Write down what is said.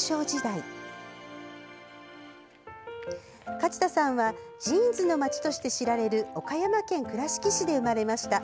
勝田さんはジーンズの街として知られる岡山県倉敷市で生まれました。